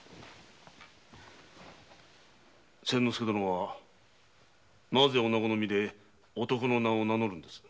千之助殿はなぜ女子の身で男の名を名乗るのですか。